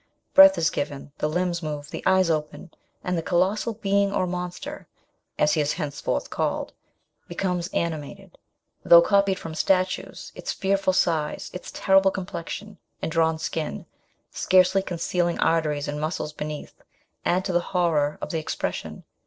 Breath is given, the limbs move, the eyes open, and the colossal being or monster, as he is henceforth called, becomes animated ; though copied from statues, its fearful size, its terrible complexion and drawn skin, scarcely concealing arteries and muscles beneath, add to the horror of the expression.